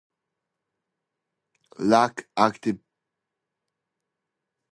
Etioplasts lack active pigment and can technically be considered leucoplasts.